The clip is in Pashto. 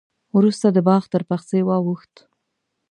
وروسته د باغ تر پخڅې واوښت.